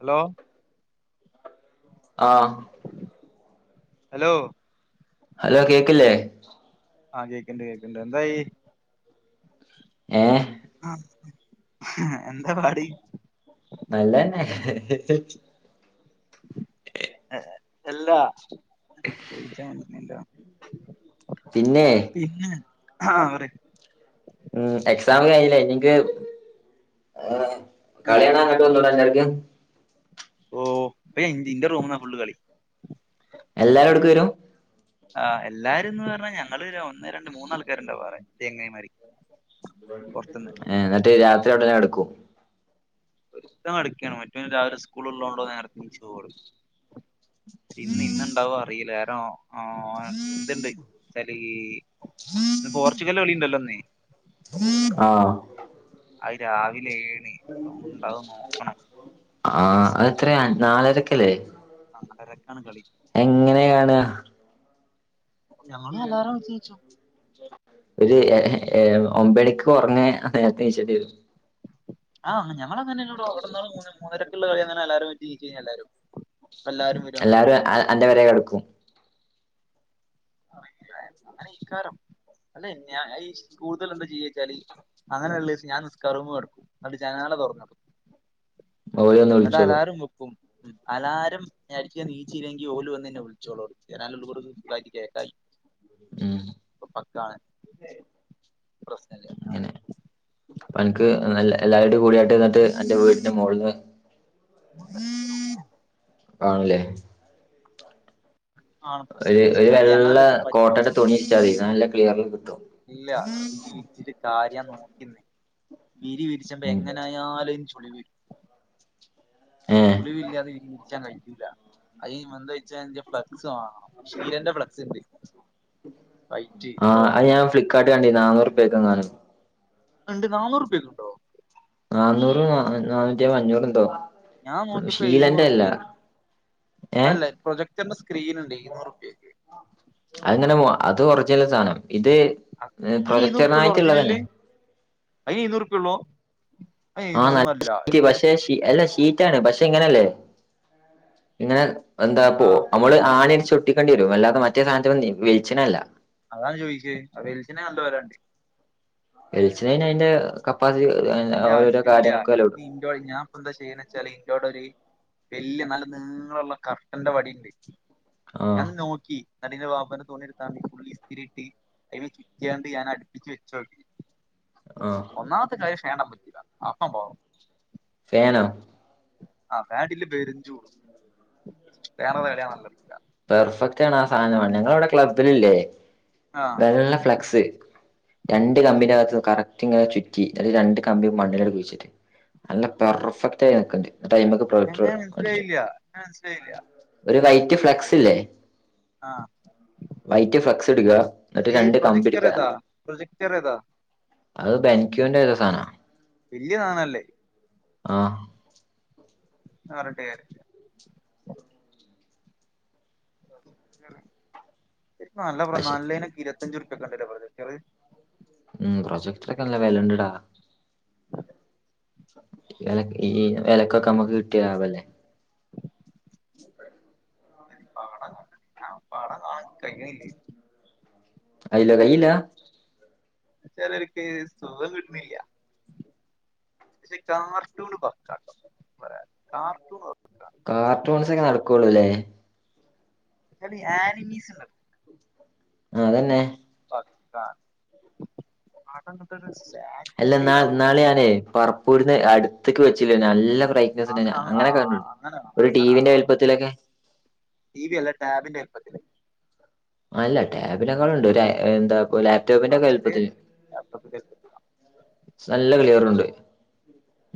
Hello ആഹ് hello hello കേക്ക്ല്ലേ? ആഹ് കേക്ക്ണ്ട് കേക്ക്ണ്ട് എന്തായി. ഏഹ്? ആഹ് എന്താ പാട്. നല്ലന്നെ എല്ലാ ചോയിച്ചാ [unintelligible] ല്ല പിന്നെ പിന്നെ ആഹ് പറയ് ഉം എക്സാം കഴിഞ്ഞ്ല്ലേ ഇനിക്ക് ഏഹ് കളികാണാ അങ്ങട്ട് വന്നൂടെ അൻക്ക് ഓഹ് [unintelligible] ഫുള്ള് കളി എല്ലാരും അട്ക്ക് വരും ആഹ് എല്ലാരുംന്ന് പറഞ്ഞാ ഞങ്ങള് ഒന്ന് രണ്ട് മൂന്നാൾക്കാരുണ്ടാ വേറെ ചെങ്ങായിമാര് പുറത്തുന്ന് ഏഹ് ന്നട്ട് രാത്രി അവടന്നെ കെടക്കൂ ഒരുത്തൻ [unintelligible] മറ്റൊവന് രാവിലെ സ്കൂള്ളോണ്ടോ നേരത്തെ [unintelligible] ഇന്ന് ഇന്നുണ്ടാവോ അറിയില്ല കാരണോ ആഹ് ഇത്ണ്ട് ചെല ഈ ഇന്ന് പോർച്ചുഗിലിന്റെ കളിയുണ്ടല്ലോന്ന് ആഹ് അയ് രാവിലെ ഏണി ആഹ് അതെത്രയാ നാലരക്കല്ലേ? നാലരക്കാണ് കളി. എങ്ങനെ കാണ്കാ ഞങ്ങള് അലാറം വെച്ച് ഏച്ചും ഒരു ഏഹ് ഒമ്പണിക്ക് ഒറങ്ങേ [unintelligible] വരും ആഹ് ഞങ്ങളങ്ങനെ [unintelligible] മൂ മൂന്നരക്കുള്ള കളി അങ്ങനെ അലാറം [unintelligible] എല്ലാരും എല്ലാരും വരും അങ്ങോട്ട് കളി കാണാൻ. അൻ്റെ പെരേ കെടക്കും. [inaudible] അങ്ങനെ ഇക്കാരം അല്ല ഞാ ഈ കൂടുതല് എന്താ ചെയച്ചാല് അങ്ങനൊള്ളിസം ഞാൻ നിസ്കാര റൂമ് കെടുക്കും അന്നിട്ട് ജനാല തൊറന്നിട്ടും. ഓല് വന്ന് എന്നിട്ട് വിളിച്ചോളും അലാറം വെക്കും. അലാരം അടിച്ച് ഞാൻ നീച്ചില്ലെങ്കി ഓലു വന്ന് എന്നെ വിളിച്ചോളും. [unintelligible] ഉം ഇപ്പം പക്കാണ് പ്രശ്നല്ല്യാ എനക്ക് എല്ലാരെടെ കൂടെയായിട്ട് എന്നിട്ട് എന്റെ വീടിന്റെ മോളിന്ന് കാണുലേ ആണ് ഒരു പ്രശ്നം ഒരു ആ വെള്ള ഞങ്ങളെന്താ വെച്ചാൽ പരി കോട്ടന്റെ തുണി വിരിച്ചാ മതി നല്ല ക്ലിയറില്കിട്ടും. ഇല്ല വിരി വിരിച്ചിട്ട് കാര്യ നോക്കിന്നേ വിരി വിരിച്ചിട്ട് ഉം എങ്ങനായാലും ചു ചുളിവീരു ഏ ചുളിവില്ലാതെ വിരി വിരിച്ചാൻ കഴിയൂല [unintelligible] വെച്ചാ ഫ്ലക്സ് വാങ്ങണം. ഷിരെന്റെ ഫ്ളക്സ്ണ്ട് വൈറ്റ് അത് വാങ്ങണം. കടേണ്ട് നാന്നുറുപ്യെക്ക് നാലെണ്ണം രണ്ട് നാന്നുറുപേക്കൊണ്ടോ നാന്നൂറ് നാന്നൂറ്റിയൻ അഞ്ഞൂറ് എന്തോ ഞാൻ നോക്കിയപ്പോ എഴുന്നൂറ് ഷീലന്റെ അല്ല റുപ്പ്യേനി ഏ അതല്ലേ പ്രൊജക്ടറിന്റെ സ്ക്രീൻ ഉണ്ട് ഇരുന്നൂറുപ്യക്ക്. അത് എങ്ങനെ അത് ഒർജിനൽ സാനം ഇത് അയിന് ഇരുന്നൂറുപ്യ ഉള്ളു പ്രൊജക്ടറിനായിട്ടുള്ളത് ഒറിജിനല് തന്നെ അയിന് ഇരുന്നുറുപ്യ ഉള്ളോ? ആഹ് നല്ല ഷിറ്റ് പഷേ അല്ല ഷീറ്റാണ് പഷേ ഇങ്ങനല്ലേ ഇങ്ങനെ എന്താപ്പോ ആഹ് നമ്മള് ആണിഅടിച്ച് ഒട്ടിക്കണ്ടി വരും. അല്ലാതെ മറ്റേ സാനത്തിന് വെലിച്ചണല്ല. അതാ ചോയിച്ചേ [unintelligible] വരാണ്ട് വെലിച്ചനേ അയിന്റെ കപ്പാസിറ്റി അതിന്റെ ഓരോരോ ആവശ്യമില്ല കാര്യങ്ങൾക്കും വെല കുടും. [unintelligible] ഞാൻ ഇപ്പോ എന്താ ചെയ്യണേ വച്ചാല് ഇന്നോട് ഒര് വല്യ നല്ല നിളള്ള കർട്ടന്റെ വടിണ്ട്. ആഹ് ഞാൻ നോക്കി അതിന്ന് വാപ്പാന്റെ തുണിയെടുത്ത് ആദ്യം ഫുൾ ഇസ്തിരി ഇട്ട് അയില് ചുറ്റിയാണ്ട് ഞാൻ അടുപ്പിച്ച് വെച്ച് നോക്കി. ആഹ് ഒന്നാമത്തെ കാര്യം [unintelligible] പറ്റില്ല അപ്പം പോണം ഫാനോ ആ ഫാനിട്ടില്ലേ പെരുചൂടും. [unintelligible] പെർഫെക്റ്റ് ആണ് ആ സാധനം നിങ്ങളെ അവിടെ ക്ലബ്ബിൽ ഇല്ലേ ആ വെള്ള ഫ്ലക്സ് രണ്ട് കമ്പിനകത്ത് കറക്റ്റ് ഇങ്ങനെ ചുറ്റി. അന്നിട്ട് രണ്ട് കമ്പിയും മണ്ണിൽഅങ്ങട്ട് കുഴിച്ചിട്ട്. നല്ല പെർഫെക്റ്റ് ആയി നിക്കുണ്ട്. ആ ടൈംമിക്ക് എങ്ങനെ മനസ്സിലായില്ല? എങ്ങനെ മനസ്സിലായില്ല? ഒരു വൈറ്റ് ഫ്ലക്സ് ഇല്ലേ ആഹ് വൈറ്റ് ഫ്ലക്സ് അടിക്കുക ഈ പ്രൊജെക്ടർ ഏതാ പ്രൊജെക്ടർ ഏതാ അത് ബെൻക്യൂന്റെ ഒരു സാധനം വല്യ സാദാനം അല്ലെ ആ ആഹ് പറഞ്ഞിട്ട് കാര്യഇല്യ ഇപ്പോ നല്ല പക്ഷെ നല്ല പ്രൊജക്റ്റർ ഇരുപതി അഞ്ചു ഉർപ്യ ഒക്കെ ഉണ്ടല്ലേ പ്രൊജക്റ്റർ ഉം പ്രൊജക്ടൊർ നോക്കെ നല്ല വിലയുണ്ട് ഡാ ഈ എന്ത് വിലഈ സാധനാ വില ക്കൊക്കെ നമ്മുക്ക് കിട്ടിയാൽ ലാഭം അല്ലേ പാടം പാടം കാണാൻ കയ്യ്ണ്ല്ലേ ആയില് കഴിയില്ല ചേലോർക്ക് സുഖം കിട്ടുന്നില്ല പക്ഷെ കാർട്ടൂൺ പക്കാ പ റ കാർൂൺ പക്കാ കാർട്ടൂൺസ് ഒക്കെ നടക്കുള്ളൂ അല്ലേ അത് ആയിരുന്നു സുഖം ആഹ് അതന്നെ പക്കാ [unintelligible] ഇപ്പോ നാത്തൂനും കാണാറില്ല അല്ല ഇന്ന ഇന്നാൾ ഞാനേ പററപ്പൂന്ന് അടുത്തേക്ക് വെച്ചില്ലേ നല്ല ഫ്രൈയിം അങ്ങ ആ അങ്ങനെ കണ്ടുപിടിക്കും അങ്ങനെ കാണാം ഒരു അങ്ങനെ ടീവി ന്റെ കാണാം അങ്ങനെ വലുപ്പാതിൽ കാണാം ഒക്കെ ടി വി അല്ല ടാമ്പിന്റെ വലുപ്പത്തിൽ അല്ല ടാബിനെക്കാൾണ്ട് ലെ എന്താ ലാപ്ടോപ്പിന്റെ ആഹ് ഒക്കെ ശരിയെ വലുപ്പത്തില് നല്ല ക്ലിയർണ്ട്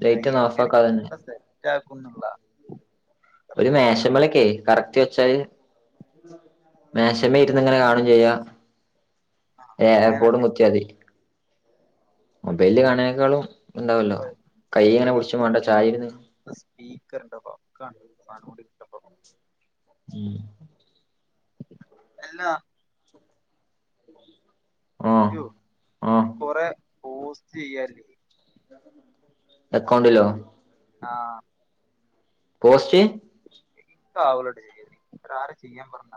[unintelligible] ഇവിടെ സെറ്റ് ആക്കുന്നുള്ളതാ ഒരു മേശമേൽക്കെ കറക്റ്റ് വെച്ചാല് മേശമ ഇരുന്ന്ങ്ങനെ കാണയും ചെയ്യാ ആ എ യർപോടും അങ്ങനല്ലേ കുത്തിയ മൊബൈലില് കാണേനെ ക്കാളും ഉണ്ടാവല്ലോ അപ്പൊ കൈ ഇങ്ങനെ കയ്യക്കനെ സ്പീക്കർ പിടിച്ചുമാണ്ട ചായന്ന് സ്പീക്കറിന്റെ വാക്കാണ് സാദാനം കിട്ടിയപ്പോൾ എല്ല ആഹ് ആഹ് കൊറെ പോസ്റ്റ് ചെയ്യല്ലേ അക്കൗണ്ടിലോ ആഹ പോസ്റ്റ് ഇൻക്ക്ഹാവൂലാട്ടോ ചെയ്യാൻ ആരാ ചെയ്യാൻ പറഞ്ഞ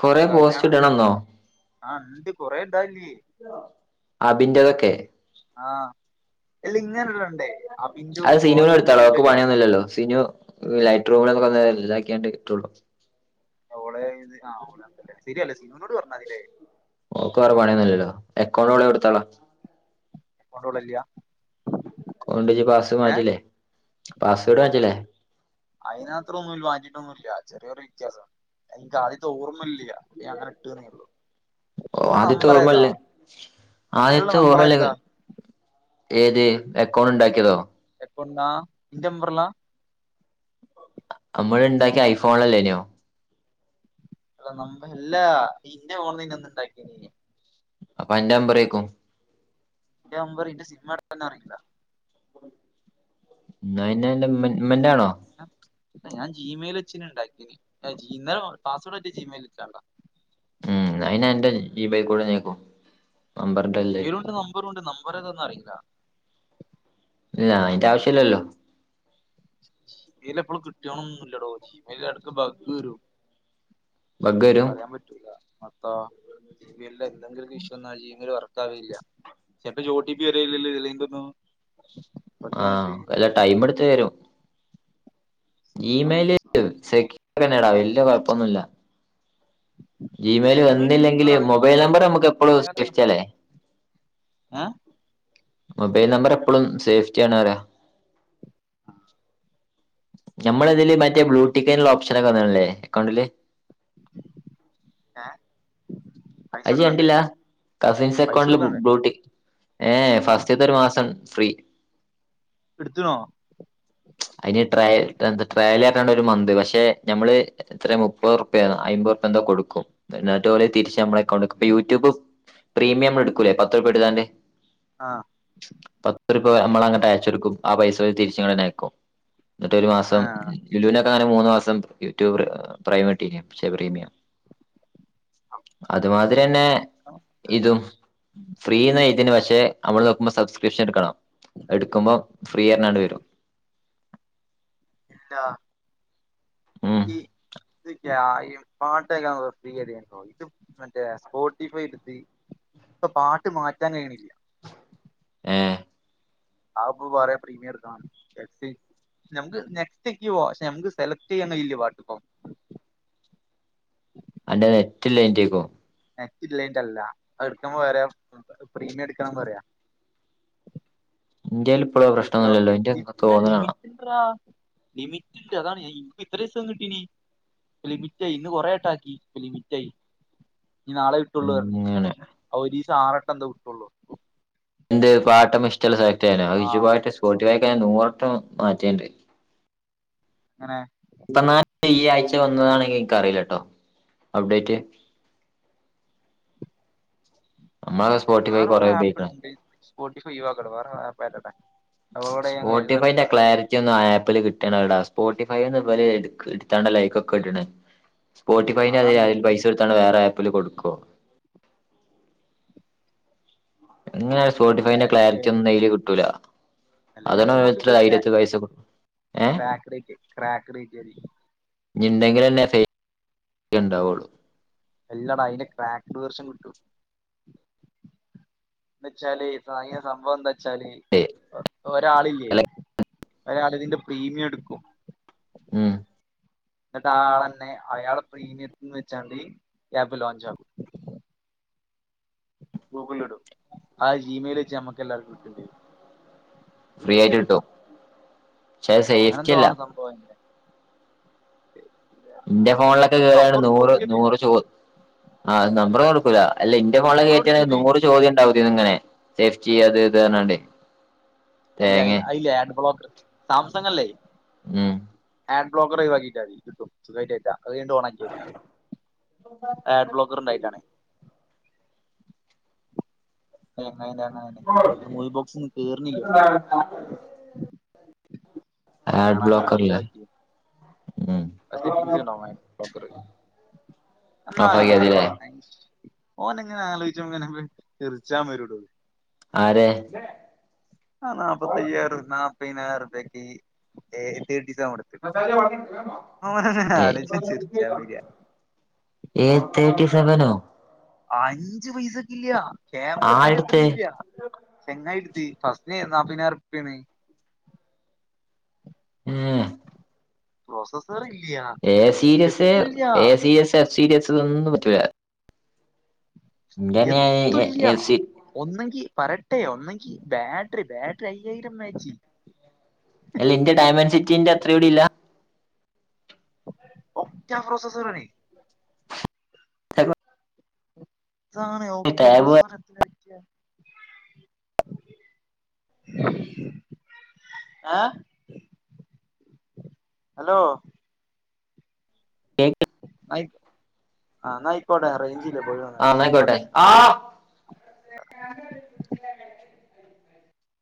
കൊറേ പോസ്റ്റ് കല്യാണം ഇടണെന്നോ ആ ഇണ്ട് ഇണ്ടാൻല്ലേ അന്റെത് ഒക്കെ ആഹ അല്ല ഇങ്ങനെടണ്ടേ അത് സിനുവിന് എടുത്തളോപണിയൊന്നുല്ലല്ലോ അത് സിനു ലൈറ്റർ മതില്കൂടെ [unintelligible] ഇതാക്കിയാണ്ട് ഉണ്ടോളു ഓള ആ ഓളല്ലേ ശരിയല്ലേ സിനിമനോട് പറഞ്ഞാൽതില്ലേ ഓക്ക വേറേ പണിന്നുല്ലോ എക്കൗണ്ട് കോടുത്താള അക്കൗണ്ട് ഓളെഇല്ല്യ അക്കൗണ്ട്‌ ഇജ് പാസ് മാറ്റില്ലേ പാസ്വേഡ് മാറ്റിലെ അതിനന് അത്രം ഒന്നുമല്ല മാറ്റിട്ടൊന്നുമല്ല ചെറിയൊരു വ്യത്യാസം എനിക്ക് ആദ്യത്തെ ഓർമ്മ ഇല്ല അ അങ്ങനെ ഇട്ട്ന്നേ ഉള്ളു ഓ ആദ്യത്തെ ഓർമ്മല്ല ഇള്ള ആദ്യത്തെ നമ്പർ ഓർമ്മല്ല്യ ആര്താ ഏത് അക്കൗണ്ട് ഇണ്ടാക്കിയതോ എപ്പ വന്ന എന്റെ നമ്പറില നമ്മള് ഇണ്ടാക്കിയ ഐഫോൺല്ലേനോ അല്ല നമ്പരില്ല ഇന്നെ ഫോണിന്നെ ഒന്ന് ഇണ്ടാക്കിയനെ അപ്പ അന്റെ നമ്പറേക്കും എന്റെ നമ്പർറിന്റെ സിമ്മ് എടുക്കാൻ അറിയില്ല ന്നാ പിന്നാൻ്റ ഉമ്മന്റെയാണോ ഞാൻ ജിമെയിൽ വെച്ചിന് ഉണ്ടാക്കിനി അല്ല പാസ് വേഡ് മാറ്റി ജിമെയിൽ വെച്ചേണ്ടാ ഉംന്നാ പിന്നെ അന്റെ ജിമെയിൽ കോഡ് ക്കോ ജിമെയിലും ഉണ്ട് നമ്പറും ഉണ്ട് നമ്പർ ഏതാന്ന് അറിയില്ല ഏ അതിന്റെ ആവശ്യമില്ലല്ലോ ഇതില് എപ്പോളും കിട്ടിയോണൊന്ന് ഇല്ലടോ ജിമെയിൽ എടുക്ക് ഭഗ് വരും ബഗ് വരും പറയാൻ പറ്റൂല എന്നിട്ടോ ജിമെയിൽ എന്തെങ്കിലും ഇഷു വന്നാല് ജിമെയിൽ വർക്കാവില്ല ചെല്പ ഒ ടി പി വരില്ലല്ലോ ലിങ്കൊന്നും ആ വല്ലാ ടൈം എടുത്ത് വരും ജിമെയില് സേഫ്റ്റി തന്നെയാണ് വലിയ കുഴപ്പൊന്നുമല്ല ജിമെയിൽ വന്നില്ലെങ്കിൽ സെക്യൂർ ആണ് മൊബൈൽ അങ്ങനെ നമ്പർ നമുക്ക് എപ്പോഴും സേഫ്റ്റിയല്ലേ ആ മൊബൈൽ നമ്പർ എപ്പോഴും സേഫ്റ്റി ആണ് പറയാ ഞമ്മള് ഇതില് മറ്റേ ബ്ലൂടിക്കുള്ള ഓപ്ഷനൊക്കെ വന്നല്ലേ അക്കൗണ്ടില് ഏ അജി കണ്ടില്ല കസിൻസ് അക്കൗണ്ടില് കൊടുക്കണ്ടേ ബൂട്ടി ഏ ഫസ്റ്റ്ത്തെ ഒരു മാസം ഫ്രീ എടുത്തുണോ അതിന് ട്രൽ ട്രയൽ ആയിട്ടാണ് ഒരു മന്ത് പക്ഷെ ഞമ്മള് എത്ര മുപ്പത് റുപൃ അമ്പത് റുപൃ എന്താ കൊടുക്കും എന്നിട്ട് ഓല് തിരിച്ച് നമ്മടെ അക്കൗണ്ട്ക്ക് യൂട്യൂബ് പ്രീമിയം എടുക്കൂല്ലേ പത്ത് രൂപ എടുതാന്റെ ആഹ് പത്ത് രൂപ നമ്മളങ്ങട്ട് അയച്ചെടുക്കും ആ പൈസ തിരിച്ചങ്ങനെ അയക്കും എന്നിട്ട് ഒരു ആ മാസം ലുലുനൊക്കെ അങ്ങനെ മൂന്ന മാസം യൂട്യൂബ് പ്രൈം കിട്ടിനി പക്ഷെ പ്രീമിയം ശബ്ദം ക്ലിയർ അല്ല അതുമാതിരിന്നെ ഇതും ഫ്രീ എന്ന് എഴുതിന് പക്ഷെ അവിടെ നോക്കുമ്പോൾ സബ്സ്ക്രിപ്ഷൻടുക്കണാം എടുക്കുമ്പോ ഫ്രീ തഞ്ഞാണ്ട് വരും ഇല്ല ഉം ഇല്ല ഈപാട്ട് കേക്കാൻ ഫ്രീ ഇവിടെ ഉണ്ടോ മറ്റേ സ്പോട്ടിഫൈ എടുത്തി ഇപ്പം പാട്ട് മാറ്റാൻ കഴിയണില്ല ഏ അ ഇപ്പം പറയ പ്രീമിയം എടുകണന്ന് എഫ്സി നമ്മക്ക് നെക്സ്റ്റ്ക് പോവാ പക്ഷെ നമുക്ക് സെലക്ട് ചെയ്യണ ഇല്ല പാട്ടിപ്പോം അന്റെ നെറ്റ് ഇല്ലായിട്ടെക്കും നെറ്റ് ഇല്ലേയിട്ട്ല്ല അത് എടുക്കുമ്പം വരും പ്രീമിയം എടുക്കണം പറയാ എൻ്റെയിൽ ഇപ്പളും ആ പ്രശ്നന്നുല്ലല്ലോ നിൻ്റെ തോന്നലാണ് [unintelligible] ലിമിറ്റ്ണ്ട് അതാണ് എനിക്ക് ഇത്ര ദിവസം കിട്ടീന് ലിമിറ്റായി ഇന്ന് കൊറെ പാട്ടാക്കി ലിമിറ്റായി ഇനീ നാളെ കിട്ടുള്ളൂ പറഞ്ഞീ അങ്ങനെ ഒരു ദിവസം ആറെട്ട് എന്തോ കിട്ടുള്ളൂ എന്ത് പാട്ടം ഇഷ്ടമില്ലായിട്ടാണോ സെലക്ട് ചെയ്യാണ് ആഹ് വിമായിട്ട് ആഹ് സോട്ടിഫൈ നൂറോം മാറ്റിയുണ്ട് എങ്ങനെ ഇപ്പം നാട്ടി ഈ ആഴ്ച വന്നതാണെങ്കിൽ എനിക്ക് അറിയില്ലട്ടോ അപ്ഡേറ്റ് നമ്മളൊക്കെ സ്പോട്ടിഫൈ വേറെ കൊറേ കുറെ ആപ്പ് ഉപയോഗിക്കണ് ഉണ്ട് സ്പോട്ടിഫൈ ഒഴിവാക്കട്ടെ വേറെ ആപ്പ് കേറ്റട്ടേ സ്പോട്ടിഫൈന്റെ ക്ലാരിറ്റി എനിക്കത്തൊന്നു ആപ്പില് കിട്ടവിട സ്പോട്ടിഫൈന്ന് ബല് എടുത്താണ്ട ലൈക്ക ക്കെ ഇിട്ണ് സ്പോട്ടിഫൈെ ശരിയാണ് അതി അതാണ് അതി എനിക്ക് പൈസ എടുത്താണ്ട് വേറെ ആപ്പിൽ കൊടുക്കോ ങ്ങനെ ഒരു സ്പോട്ടിഫൈന്റെ ക്ലാരിറ്റി ക്ലാരിറ്റൊ ന്നും ആയാലും മയ്യില് കിട്ടൂല അല്ല ഞാൻ അതാണ് ഇത്ര സ്പോട്ടിഫൈ ആയിരത്തി വയസ കൊടുും ഏഹ് ക്രാക്ക് റേറ്റ് ക്രാക്ക് റേറ്റ് ആയി ഇടങ്കിൽ അല്ലെ സേഫ് [unintelligible] എല്ലടാ അതിന്റെ ക്രാക്ടർ ദർഷം കിട്ടു എന്നച്ചല് ഭയങ്കര സംഭവം എന്താ ച്ചാല് ഏയ് ഒരാളില്ലേ അല്ല ഒരാള് തിന്റെ പ്രീമിയം എട്ക്കും ഉം ന്നിട്ട് ആളന്നെ അയാള് പ്രീമിയത്തിന്ന് വെച്ചാണ്ട ക്യാബ് ലോഞ്ച് ആകും ഗൂഗിൾ ഇടും ആ ജിമെയിൽ വെച്ച് ഞമ്മക്ക് എല്ലാർക്കും കിട്ടുചെയ്യും ഫ്രീ യായിട്ട് കിട്ടും പക്ഷെ അത് സേഫ്റ്റി അങ്ങനെഎന്തോ അല്ല ആണ് സംഭവം അയിന്റെ ന്റെ ഫോണിലൊക്കെ അയിന്റെ കേറിയാണ് നമ്പറൊന്നും നൂറ് കൊടുക്കരുത് നൂറ് ച്ചോ ആഹ് നമ്പർ കൊടുക്കൂല അല്ല ഇന്റെ മോളെ നമ്പർ കയറ്റിയ ങ്കില് കൊടുക്കരുത് നൂറ് ചോദ്യം ണ്ടാവതി ഇങ്ങനെ സേഫ്റ്റി അത് ഇത് പറഞ്ഞാണ്ടയ് അയിലെ അയിലെ ആഡ് ബ്ലോക്കർ സാംസങ് അല്ലേ ഉം [unintelligible] അത് കഴിഞ്ഞിട്ട് ഓണാകിയാ മതി ഹാഡ് ബ്ലോക്കർ ണ്ടായിട്ടാണേ [unintelligible] ടൂൾ ബോക്സ് ഒന്ന് കേറുന്നില്ലോ വണ്ടിയില് ആഡ് കേറഞ്ഞിട്ട് ബ്ലോക്കർല്ലേ ഒഴിവാക്കി ഉം സെറ്റിംഗ്സ് ഡൌൺ ആയി ക്ലോക്കറ് എന്നാ ഓഫാക്കിയതില്ലേ [unintelligible] ഓൻ ഇങ്ങനെ ആലോയി ചുമ്പോ ങ്ങനെ ചിർച്ചാൻ വരൂടൂ ആരെ ആഹ് നാപ്പത്തയ്യായിറ് നാപ്പിനായിരം റുപ്പിക് ഏ തേിസടുത്ത [unintelligible] [unintelligible] എ ആലോയിച്ച് ചിരിച്ചാ വരാ ഏ തേർട്ടി സെവനോ അഞ്ച് പൈസക്കി ഇല്ല ക്യാമറതി ന്റെ അത്രി ആരെടുത്ത് ഇല്ല ചെങ്ങായിട്ത്തി ഫസ്റ്റ് ന്നാപ്പിനായിരം റുപ്പിയാണ് ഉം പ്രൊസസറി ഇല്ല്യ A series A C S F series ഇതൊന്നും പറ്റൂല ഇന്റന്നെ എത്തുല്ല്യ എഫ് സി ഒന്നെങ്കി പറട്ടെ ഒന്നെങ്കി ബാട്ടറി ബാട്ടറി അയ്യായിരം മാച്ചി എല്ല ഇന്റെ ഡയമന്ഡ സിറ്റിന്റെ അത്ര കൂടി ഇല്ല ഒറ്റ പ്രോസസറണി [unintelligible] താണ് ഒറ്റോ ടാബ് പ്രസസനത്തിരകെയ് ആഹ് ഹലോ കേക്ക് നയി ആ നയിക്കോട്ടെ റേയ് ഞ്ചല്ലേ പോയി വന്നല്ലെ ആന്നായിക്കോട്ടെ നയിക്കോട്ടെ ആ [unintelligible]